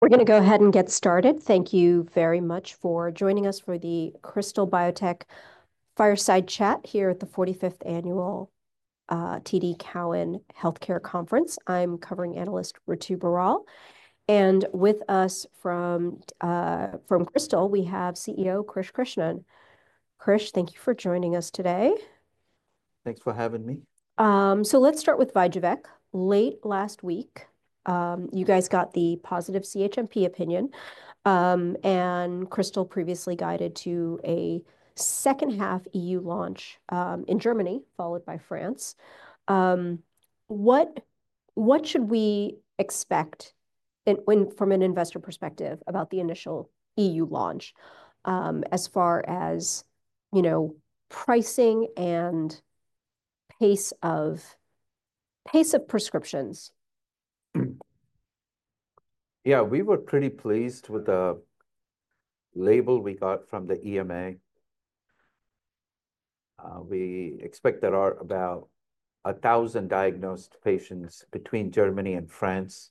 We're going to go ahead and get started. Thank you very much for joining us for the Krystal Biotech fireside chat here at the 45th Annual TD Cowen Healthcare Conference. I'm covering analyst Ritu Baral. And with us from Krystal, we have CEO Krish Krishnan. Krish, thank you for joining us today. Thanks for having me. Let's start with VYJUVEK. Late last week, you guys got the positive CHMP opinion. Krystal previously guided to a second-half EU launch in Germany, followed by France. What should we expect from an investor perspective about the initial EU launch as far as pricing and pace of prescriptions? Yeah, we were pretty pleased with the label we got from the EMA. We expect there are about 1,000 diagnosed patients between Germany and France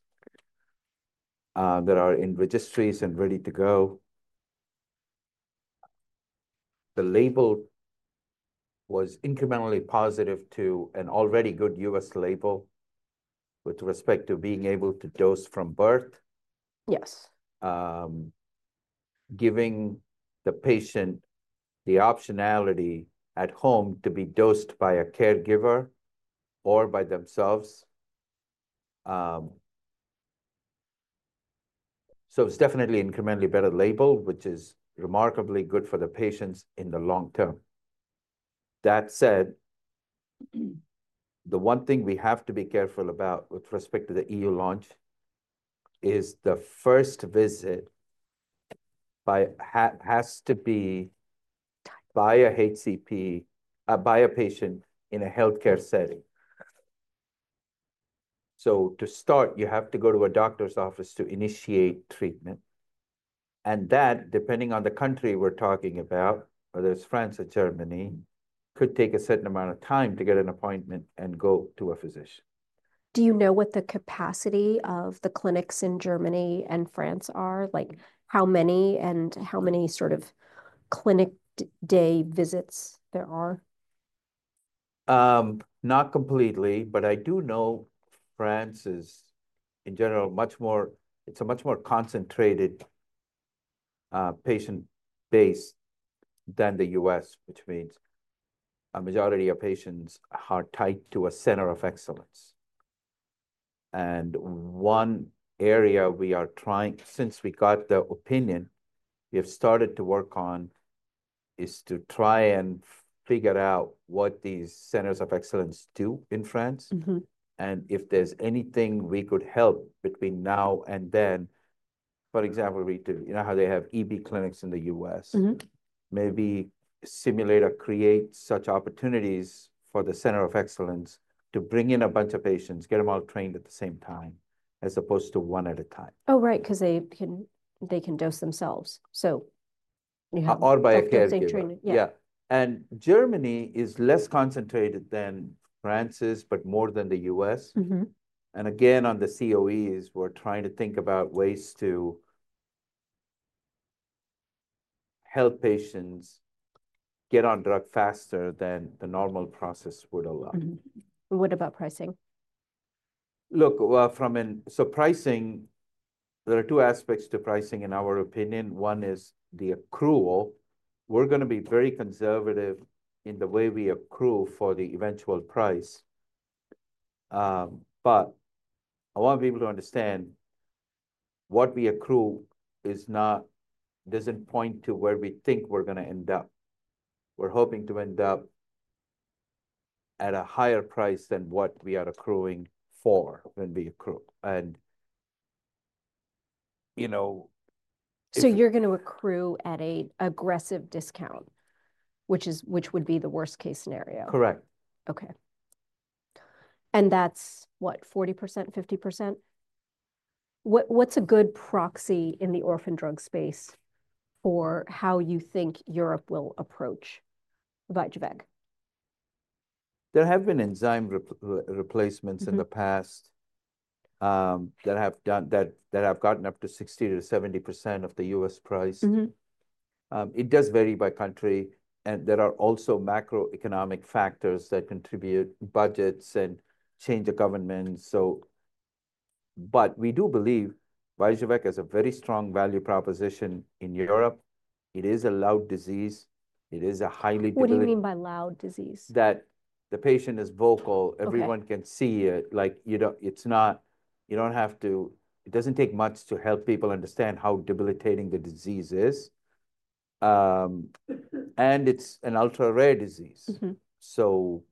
that are in registries and ready to go. The label was incrementally positive to an already good U.S. label with respect to being able to dose from birth, giving the patient the optionality at home to be dosed by a caregiver or by themselves. So it's definitely an incrementally better label, which is remarkably good for the patients in the long term. That said, the one thing we have to be careful about with respect to the EU launch is the first visit has to be by a HCP, by a patient in a healthcare setting. So to start, you have to go to a doctor's office to initiate treatment. That, depending on the country we're talking about, whether it's France or Germany, could take a certain amount of time to get an appointment and go to a physician. Do you know what the capacity of the clinics in Germany and France are? Like how many and how many sort of clinic day visits there are? Not completely, but I do know France is, in general, much more, it's a much more concentrated patient base than the U.S., which means a majority of patients are tied to a Center of Excellence, and one area we are trying, since we got the opinion we have started to work on, is to try and figure out what these Centers of Excellence do in France, and if there's anything we could help between now and then, for example, you know how they have EB clinics in the U.S., maybe simulate or create such opportunities for the Center of Excellence to bring in a bunch of patients, get them all trained at the same time, as opposed to one at a time. Oh, right, because they can dose themselves. So you have to have kids they train. Yeah. And Germany is less concentrated than France is, but more than the U.S. And again, on the COEs, we're trying to think about ways to help patients get on drug faster than the normal process would allow. What about pricing? Look, so pricing, there are two aspects to pricing in our opinion. One is the accrual. We're going to be very conservative in the way we accrue for the eventual price. But I want people to understand what we accrue doesn't point to where we think we're going to end up. We're hoping to end up at a higher price than what we are accruing for when we accrue, and you know. So you're going to accrue at an aggressive discount, which would be the worst-case scenario. Correct. Okay, and that's what, 40%, 50%? What's a good proxy in the orphan drug space for how you think Europe will approach VYJUVEK? There have been enzyme replacements in the past that have gotten up to 60%-70% of the U.S. price. It does vary by country. And there are also macroeconomic factors that contribute, budgets and change of governments. But we do believe VYJUVEK has a very strong value proposition in Europe. It is a loud disease. It is a highly. What do you mean by loud disease? That the patient is vocal. Everyone can see it. Like you don't have to, it doesn't take much to help people understand how debilitating the disease is. And it's an ultra-rare disease. So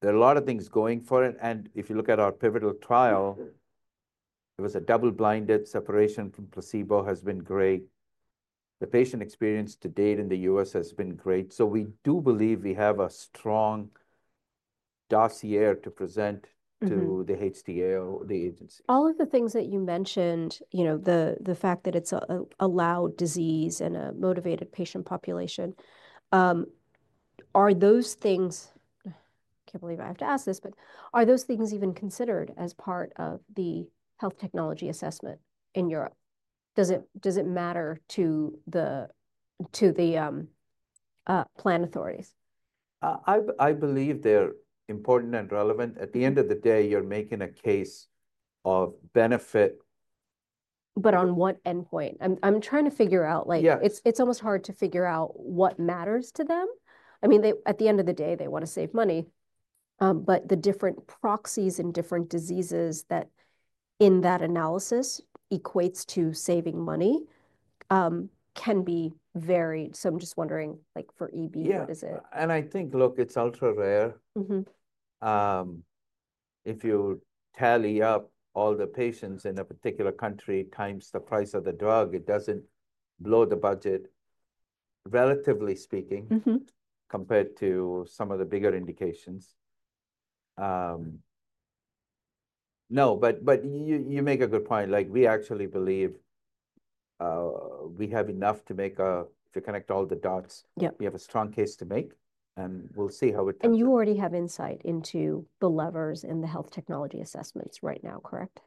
there are a lot of things going for it. And if you look at our pivotal trial, it was a double-blinded separation from placebo, has been great. The patient experience to date in the U.S. has been great. So we do believe we have a strong dossier to present to the HTA or the agency. All of the things that you mentioned, you know the fact that it's a loud disease and a motivated patient population, are those things, I can't believe I have to ask this, but are those things even considered as part of the health technology assessment in Europe? Does it matter to the pricing authorities? I believe they're important and relevant. At the end of the day, you're making a case of benefit. But on what endpoint? I'm trying to figure out. It's almost hard to figure out what matters to them. I mean, at the end of the day, they want to save money. But the different proxies and different diseases that in that analysis equates to saving money can be varied. So I'm just wondering, like for EB, what is it? Yeah, and I think, look, it's ultra-rare. If you tally up all the patients in a particular country times the price of the drug, it doesn't blow the budget, relatively speaking, compared to some of the bigger indications. No, but you make a good point. Like we actually believe we have enough to make. If you connect all the dots, we have a strong case to make, and we'll see how it turns out. You already have insight into the levers in the health technology assessments right now, correct?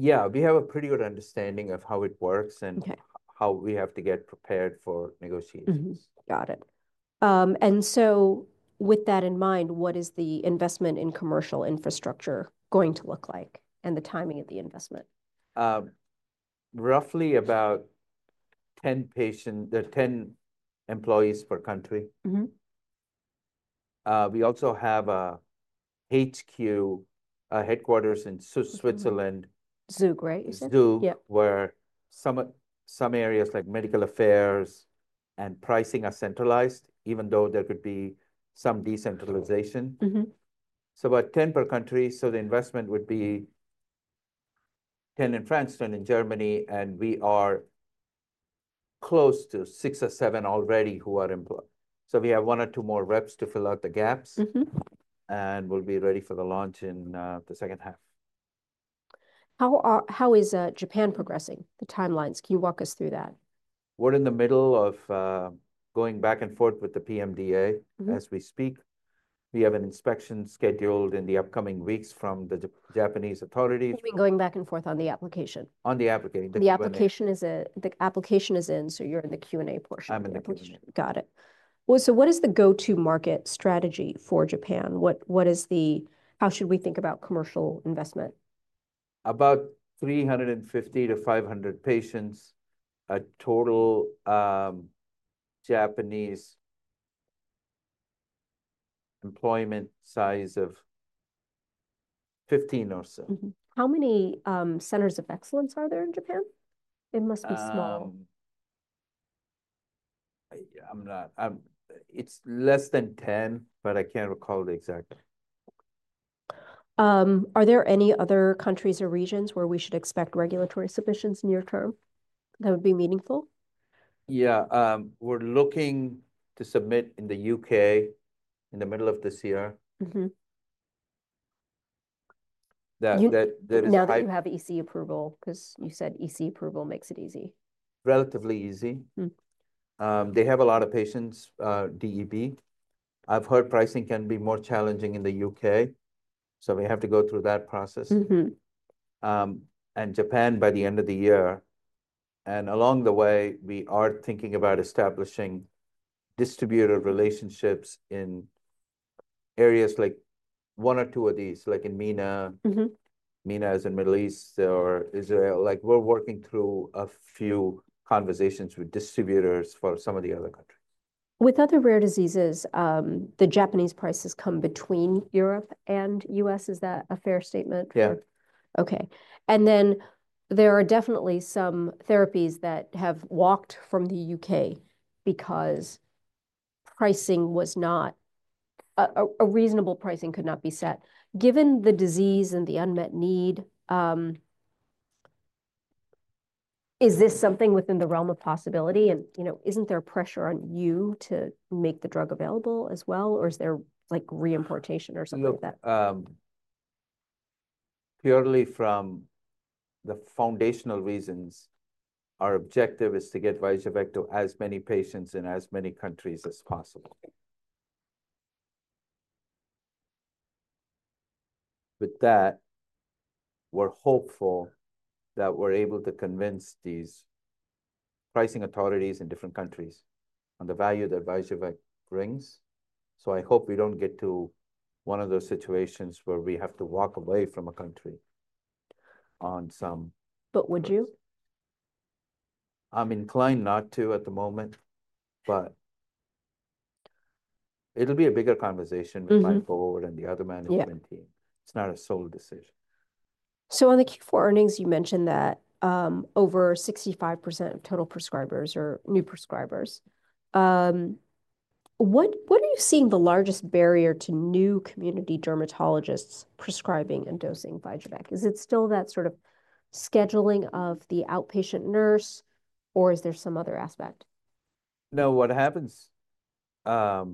Yeah, we have a pretty good understanding of how it works and how we have to get prepared for negotiations. Got it. And so with that in mind, what is the investment in commercial infrastructure going to look like and the timing of the investment? Roughly about 10 employees per country. We also have a HQ, a headquarters in Switzerland. Zug, right, you said? Zug, where some areas like medical affairs and pricing are centralized, even though there could be some decentralization, so about 10 per country, so the investment would be 10 in France, 10 in Germany, and we are close to six or seven already who are employed, so we have one or two more reps to fill out the gaps, and we'll be ready for the launch in the second half. How is Japan progressing, the timelines? Can you walk us through that? We're in the middle of going back and forth with the PMDA as we speak. We have an inspection scheduled in the upcoming weeks from the Japanese authorities. You've been going back and forth on the application? On the application. The application is in, so you're in the Q&A portion. I'm in the Q&A. Got it. So what is the go-to market strategy for Japan? How should we think about commercial investment? About 350-500 patients, a total Japanese employment size of 15 or so. How many Centers of Excellence are there in Japan? It must be small. It's less than 10, but I can't recall the exact. Are there any other countries or regions where we should expect regulatory submissions near term that would be meaningful? Yeah, we're looking to submit in the U.K. in the middle of this year. You now have to have EC approval because you said EC approval makes it easy. Relatively easy. They have a lot of patients DEB. I've heard pricing can be more challenging in the U.K. so we have to go through that process and Japan by the end of the year. Along the way, we are thinking about establishing distributor relationships in areas like one or two of these, like in MENA. MENA is in the Middle East or Israel. Like we're working through a few conversations with distributors for some of the other countries. With other rare diseases, the Japanese prices come between Europe and U.S. Is that a fair statement? Yeah. Okay. And then there are definitely some therapies that have walked from the U.K. because pricing was not reasonable. Pricing could not be set. Given the disease and the unmet need, is this something within the realm of possibility? And isn't there pressure on you to make the drug available as well? Or is there re-importation or something like that? Purely from the foundational reasons, our objective is to get VYJUVEK to as many patients in as many countries as possible. With that, we're hopeful that we're able to convince these pricing authorities in different countries on the value that VYJUVEK brings. So I hope we don't get to one of those situations where we have to walk away from a country on some. But would you? I'm inclined not to at the moment, but it'll be a bigger conversation with my board and the other management team. It's not a sole decision. So on the Q4 earnings, you mentioned that over 65% of total prescribers are new prescribers. What are you seeing the largest barrier to new community dermatologists prescribing and dosing VYJUVEK? Is it still that sort of scheduling of the outpatient nurse, or is there some other aspect? No, what happens out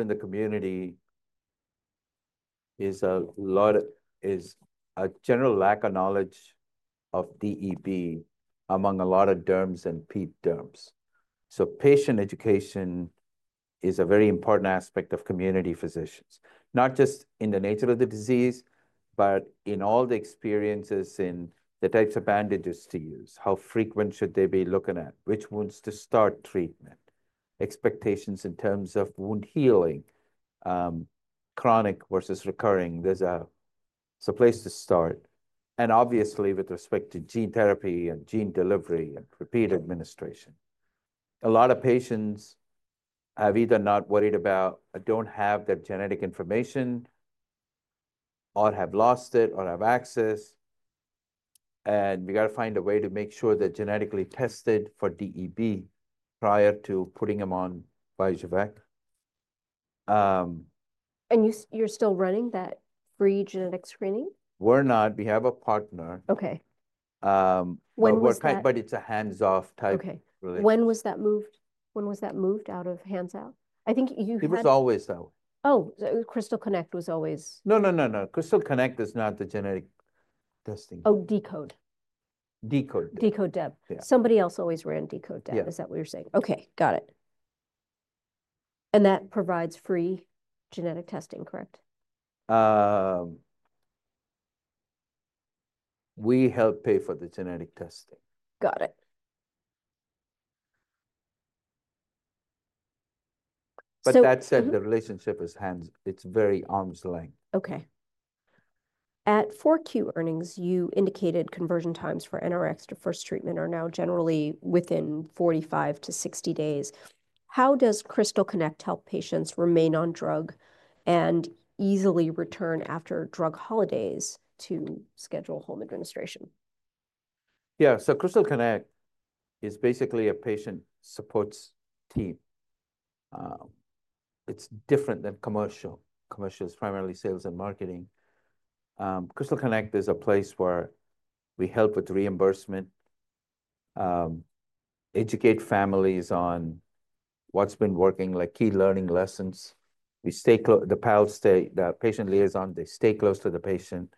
in the community is a general lack of knowledge of DEB among a lot of derms and ped derms. So patient education is a very important aspect of community physicians, not just in the nature of the disease, but in all the experiences in the types of bandages to use, how frequent should they be looking at, which wounds to start treatment, expectations in terms of wound healing, chronic versus recurring. There's a place to start. And obviously, with respect to gene therapy and gene delivery and repeat administration, a lot of patients have either not worried about or don't have that genetic information or have lost it or have access. And we got to find a way to make sure they're genetically tested for DEB prior to putting them on VYJUVEK. You're still running that free genetic screening? We're not. We have a partner. Okay. When was that? But it's a hands-off type relation. When was that moved? When was that moved out of handout? I think you heard. It was always that way. Oh, Krystal Connect was always. No, no, no, no. Krystal Connect is not the genetic testing. Oh, Decode. Decode. Decode DEB. Somebody else always ran Decode DEB. Is that what you're saying? Okay, got it. And that provides free genetic testing, correct? We help pay for the genetic testing. Got it. That said, the relationship is hands-off. It's very arm's length. Okay. At Q4 earnings, you indicated conversion times for NRx to first treatment are now generally within 45-60 days. How does Krystal Connect help patients remain on drug and easily return after drug holidays to schedule home administration? Yeah, so Krystal Connect is basically a patient support team. It's different than commercial. Commercial is primarily sales and marketing. Krystal Connect is a place where we help with reimbursement, educate families on what's been working, like key learning lessons. The patient liaison, they stay close to the patient.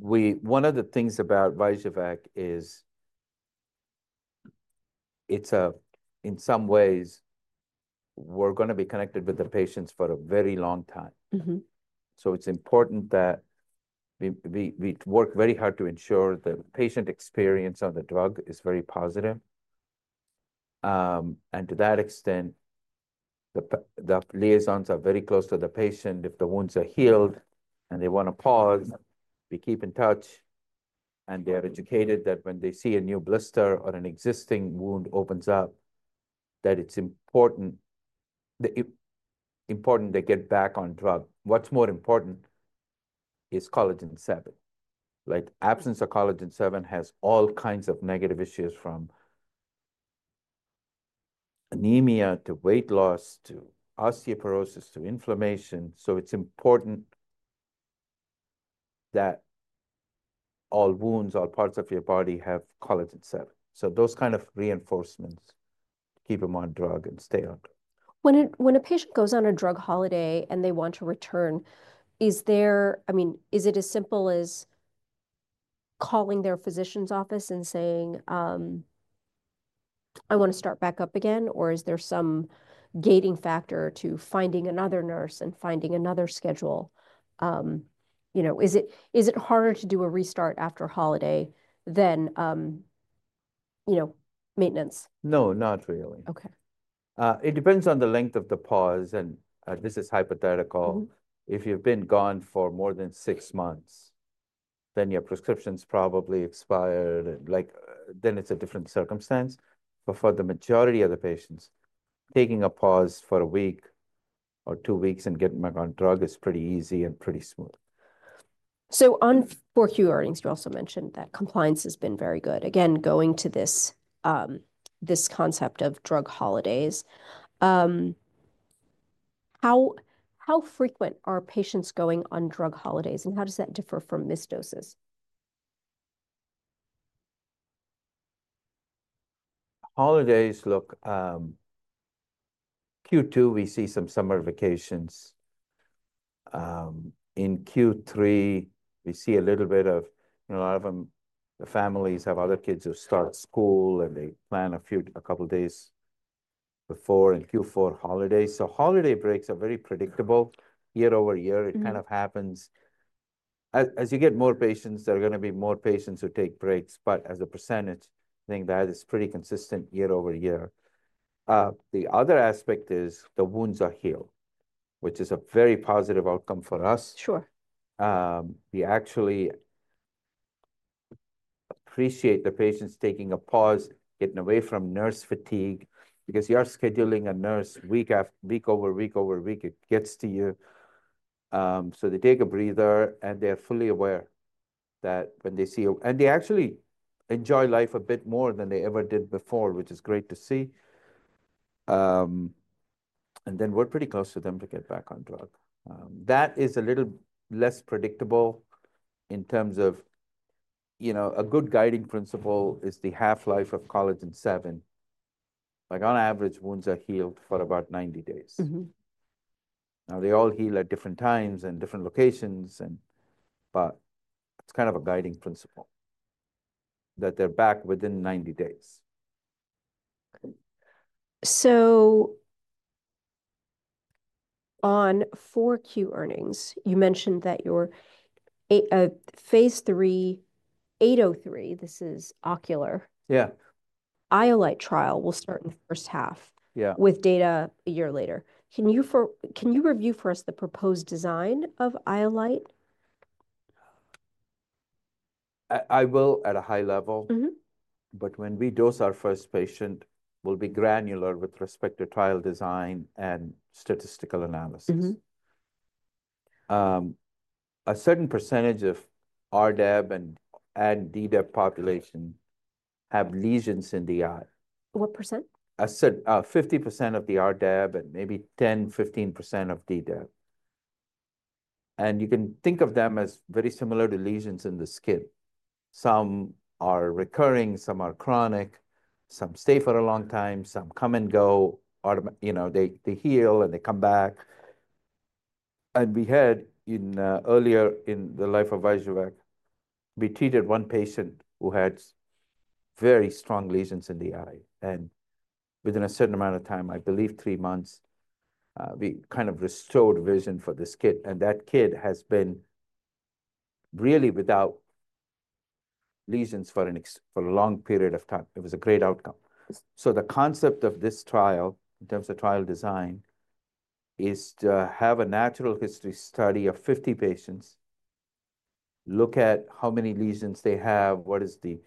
One of the things about VYJUVEK is it's a, in some ways, we're going to be connected with the patients for a very long time. So it's important that we work very hard to ensure the patient experience on the drug is very positive. And to that extent, the liaisons are very close to the patient. If the wounds are healed and they want to pause, we keep in touch. And they are educated that when they see a new blister or an existing wound opens up, that it's important they get back on drug. What's more important is type VII collagen. Like, absence of type VII collagen has all kinds of negative issues from anemia to weight loss to osteoporosis to inflammation. So it's important that all wounds, all parts of your body have type VII collagen. So those kind of reinforcements keep them on drug and stay on drug. When a patient goes on a drug holiday and they want to return, is there, I mean, is it as simple as calling their physician's office and saying, "I want to start back up again," or is there some gating factor to finding another nurse and finding another schedule? Is it harder to do a restart after a holiday than maintenance? No, not really. Okay. It depends on the length of the pause, and this is hypothetical. If you've been gone for more than six months, then your prescriptions probably expired. Like, then it's a different circumstance, but for the majority of the patients, taking a pause for a week or two weeks and getting back on drug is pretty easy and pretty smooth. On Q4 earnings, you also mentioned that compliance has been very good. Again, going to this concept of drug holidays, how frequent are patients going on drug holidays, and how does that differ from missed doses? Holidays. Look, Q2, we see some summer vacations. In Q3, we see a little bit of, you know, a lot of them. The families have other kids who start school, and they plan a few, a couple of days before in Q4 holidays. So holiday breaks are very predictable year-over-year. It kind of happens. As you get more patients, there are going to be more patients who take breaks. But as a percentage, I think that is pretty consistent year-over-year. The other aspect is the wounds are healed, which is a very positive outcome for us. Sure. We actually appreciate the patients taking a pause, getting away from nurse fatigue because you are scheduling a nurse week after week, over week, over week, it gets to you. So they take a breather, and they are fully aware that when they see a, and they actually enjoy life a bit more than they ever did before, which is great to see. And then we're pretty close to them to get back on drug. That is a little less predictable in terms of, you know, a good guiding principle is the half-life of type VII collagen. Like on average, wounds are healed for about 90 days. Now they all heal at different times and different locations. But it's kind of a guiding principle that they're back within 90 days. On Q4 earnings, you mentioned that your phase III IOLITE, this is ocular. Yeah. IOLITE trial will start in the first half with data a year later. Can you review for us the proposed design of IOLITE? I will at a high level. But when we dose our first patient, we'll be granular with respect to trial design and statistical analysis. A certain percentage of RDEB and DDEB population have lesions in the eye. What percent? 50% of the RDEB and maybe 10%-15% of DDEB. And you can think of them as very similar to lesions in the skin. Some are recurring, some are chronic, some stay for a long time, some come and go. You know, they heal and they come back. And we had earlier in the life of VYJUVEK, we treated one patient who had very strong lesions in the eye. And within a certain amount of time, I believe three months, we kind of restored vision for this kid. And that kid has been really without lesions for a long period of time. It was a great outcome. The concept of this trial in terms of trial design is to have a natural history study of 50 patients, look at how many lesions they have, what is the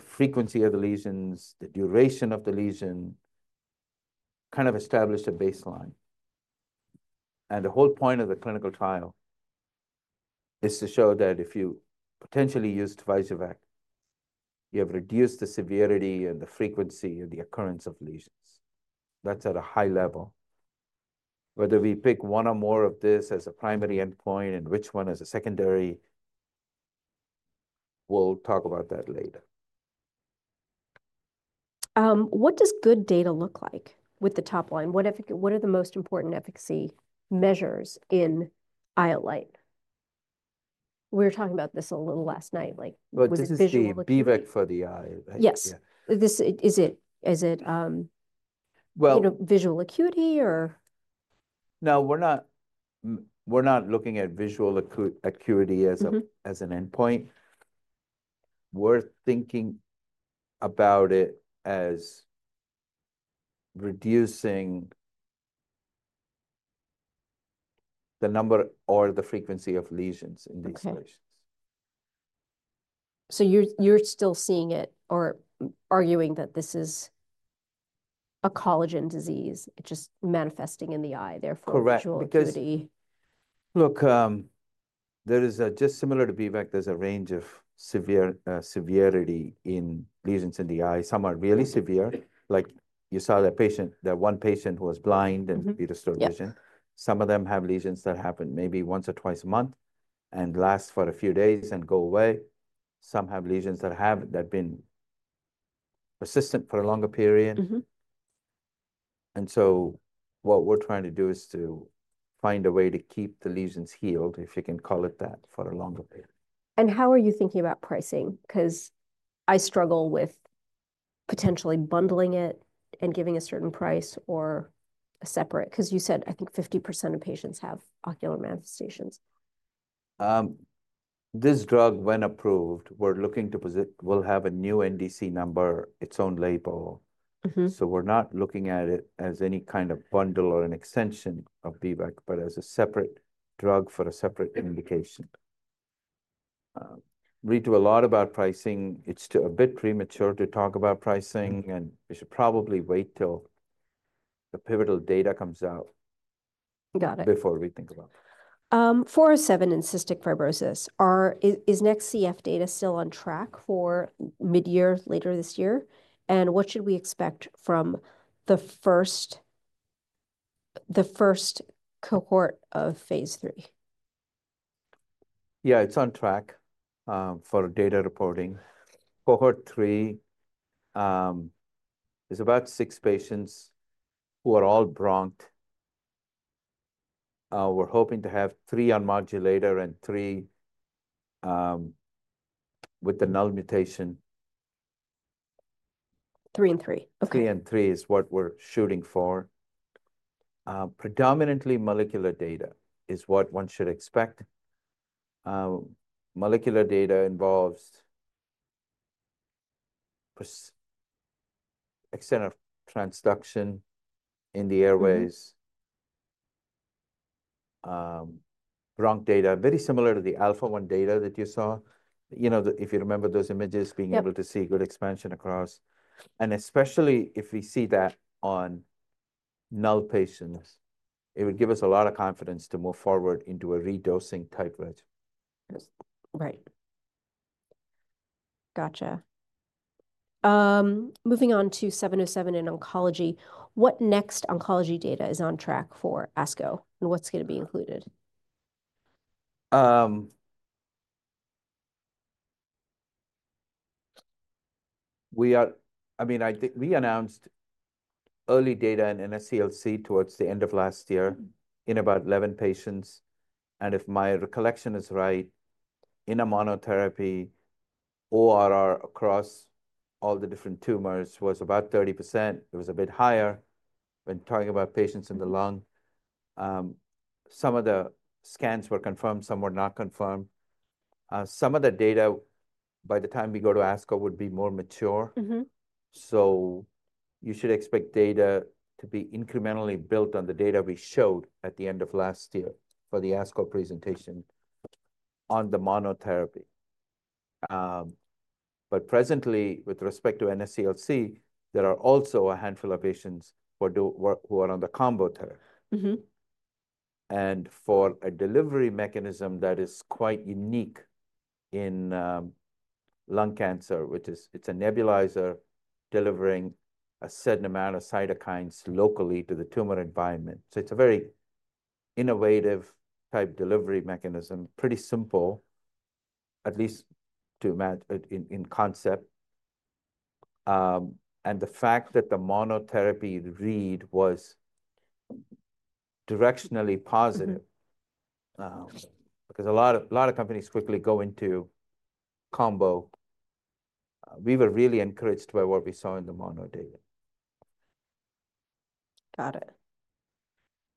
frequency of the lesions, the duration of the lesion, kind of establish a baseline. The whole point of the clinical trial is to show that if you potentially used VYJUVEK, you have reduced the severity and the frequency and the occurrence of lesions. That's at a high level. Whether we pick one or more of this as a primary endpoint and which one as a secondary, we'll talk about that later. What does good data look like with the top line? What are the most important efficacy measures in IOLITE? We were talking about this a little last night. Like was this visual acuity? But this is B-VEC for the eye. Yes. Is it visual acuity or? No, we're not looking at visual acuity as an endpoint. We're thinking about it as reducing the number or the frequency of lesions in these patients. So you're still seeing it or arguing that this is a collagen disease, just manifesting in the eye, therefore visual acuity? Correct. Look, there is a just similar to B-VEC, there's a range of severity in lesions in the eye. Some are really severe. Like you saw that patient, that one patient who was blind and reduced her vision. Some of them have lesions that happen maybe once or twice a month and last for a few days and go away. Some have lesions that have been persistent for a longer period. And so what we're trying to do is to find a way to keep the lesions healed, if you can call it that, for a longer period. How are you thinking about pricing? Because I struggle with potentially bundling it and giving a certain price or a separate, because you said, I think 50% of patients have ocular manifestations. This drug, when approved, we're looking to. We'll have a new NDC number, its own label. So we're not looking at it as any kind of bundle or an extension of B-VEC, but as a separate drug for a separate indication. We do a lot about pricing. It's a bit premature to talk about pricing, and we should probably wait till the pivotal data comes out before we think about it. KB407 and cystic fibrosis, is next CF data still on track for mid-year later this year? And what should we expect from the first cohort of phase III? Yeah, it's on track for data reporting. Cohort three is about six patients who are all bronched. We're hoping to have three on modulator and three with the null mutation. Three and three. Okay. Three and three is what we're shooting for. Predominantly molecular data is what one should expect. Molecular data involves extent of transduction in the airways, bronch data, very similar to the Alpha-1 data that you saw. You know, if you remember those images, being able to see good expansion across. And especially if we see that on null patients, it would give us a lot of confidence to move forward into a redosing type regimen. Right. Gotcha. Moving on to 707 in oncology. What next oncology data is on track for ASCO, and what's going to be included? We are, I mean, I think we announced early data in NSCLC towards the end of last year in about 11 patients. And if my recollection is right, in a monotherapy, ORR across all the different tumors was about 30%. It was a bit higher when talking about patients in the lung. Some of the scans were confirmed, some were not confirmed. Some of the data, by the time we go to ASCO, would be more mature. So you should expect data to be incrementally built on the data we showed at the end of last year for the ASCO presentation on the monotherapy. But presently, with respect to NSCLC, there are also a handful of patients who are on the combo therapy. For a delivery mechanism that is quite unique in lung cancer, which is, it's a nebulizer delivering a certain amount of cytokines locally to the tumor environment. It's a very innovative type delivery mechanism, pretty simple, at least to imagine in concept. The fact that the monotherapy read was directionally positive, because a lot of companies quickly go into combo, we were really encouraged by what we saw in the mono data. Got it.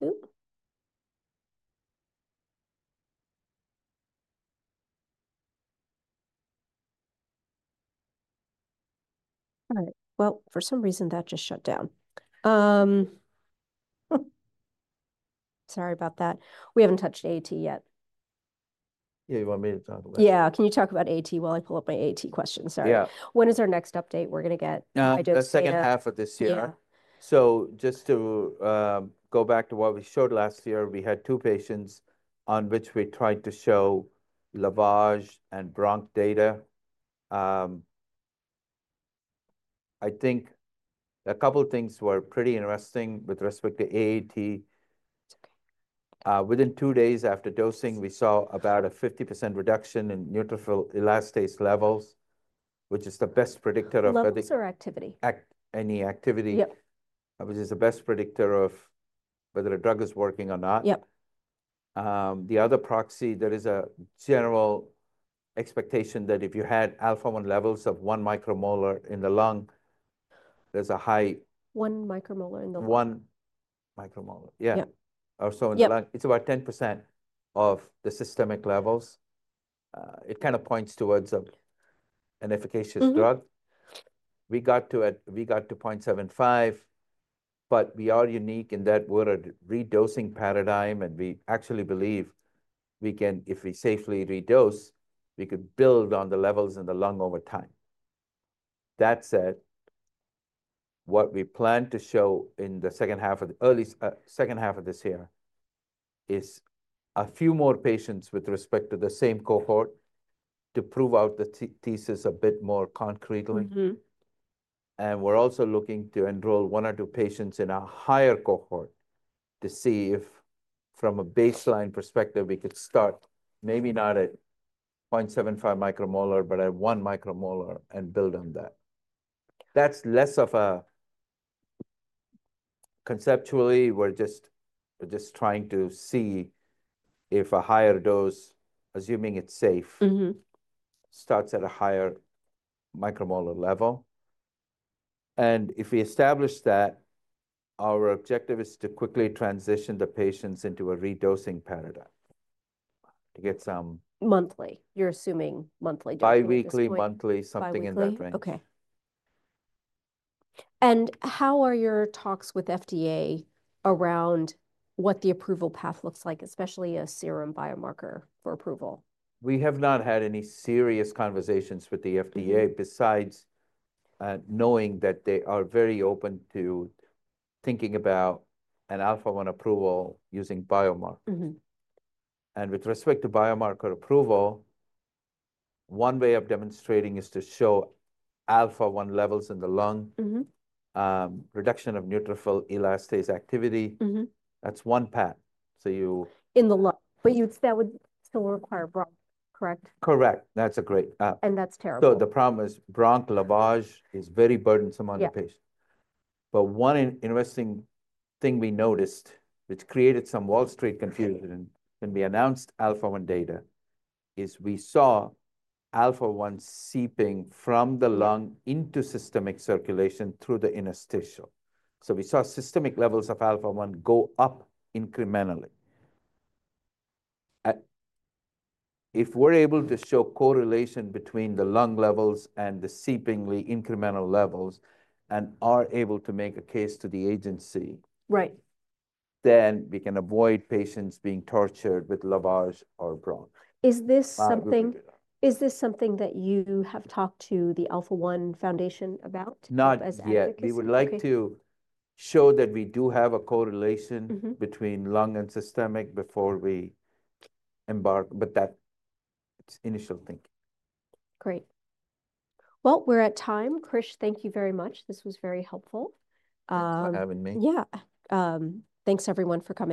All right. Well, for some reason, that just shut down. Sorry about that. We haven't touched AATD yet. Yeah, you want me to talk about it? Yeah. Can you talk about AATD while I pull up my AATD questions? Sorry. Yeah. When is our next update? We're going to get. The second half of this year, so just to go back to what we showed last year, we had two patients on which we tried to show lavage and bronch data. I think a couple of things were pretty interesting with respect to AATD. It's okay. Within two days after dosing, we saw about a 50% reduction in neutrophil elastase levels, which is the best predictor of. Levels or activity? Any activity, which is the best predictor of whether a drug is working or not. Yep. The other proxy, there is a general expectation that if you had Alpha-1 levels of one micromolar in the lung, there's a high. One micromolar in the lung. One micromolar, yeah. Yeah. Or so in the lung. It's about 10% of the systemic levels. It kind of points towards an efficacious drug. We got to 0.75, but we are unique in that we're a redosing paradigm, and we actually believe we can, if we safely redose, we could build on the levels in the lung over time. That said, what we plan to show in the second half of the early second half of this year is a few more patients with respect to the same cohort to prove out the thesis a bit more concretely. And we're also looking to enroll one or two patients in a higher cohort to see if from a baseline perspective, we could start maybe not at 0.75 micromolar, but at one micromolar and build on that. That's less of a conceptually. We're just trying to see if a higher dose, assuming it's safe, starts at a higher micromolar level, and if we establish that, our objective is to quickly transition the patients into a redosing paradigm to get some. Monthly. You're assuming monthly dosing. Biweekly, monthly, something in that range. Okay. And how are your talks with FDA around what the approval path looks like, especially a serum biomarker for approval? We have not had any serious conversations with the FDA besides knowing that they are very open to thinking about an Alpha-1 approval using biomarkers. And with respect to biomarker approval, one way of demonstrating is to show Alpha-1 levels in the lung, reduction of neutrophil elastase activity. That's one path. So you. In the lung. But that would still require bronch, correct? Correct. That's a great. That's terrible. So the problem is bronch lavage is very burdensome on the patient. But one interesting thing we noticed, which created some Wall Street confusion when we announced Alpha-1 data, is we saw Alpha-1 seeping from the lung into systemic circulation through the interstitial. So we saw systemic levels of Alpha-1 go up incrementally. If we're able to show correlation between the lung levels and the seeping incremental levels and are able to make a case to the agency. Right. Then we can avoid patients being tortured with lavage or bronch. Is this something that you have talked to the Alpha-1 Foundation about as advocacy? Not yet. We would like to show that we do have a correlation between lung and systemic before we embark, but that's initial thinking. Great. Well, we're at time. Krish, thank you very much. This was very helpful. Thanks for having me. Yeah. Thanks, everyone, for coming.